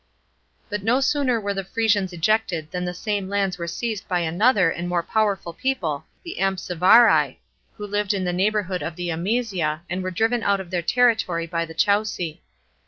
But no sooner were the Frisians ejected than the same lands were seized by another and more powerful people the Ampsivarii, who lived in the neighbourhood of the Amisia, and were driven out of their territory by the Chauci.